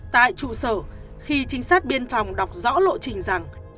tại trụ sở khi trinh sát biên phòng đọc rõ lộ trình rằng